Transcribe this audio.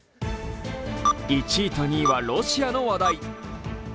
１位と２位はロシアの話題。